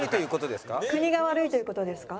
「国が悪いという事ですか？」。